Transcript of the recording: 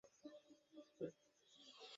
Captain Monroe বলছি।